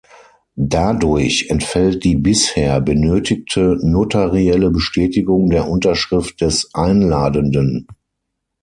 Dadurch entfällt die bisher benötigte notarielle Bestätigung der Unterschrift des Einladenden.